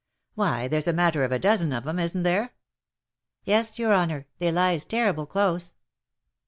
" Why there's a matter of a dozen of 'em, isn't there?" " Yes, your honour, they lies terrible close."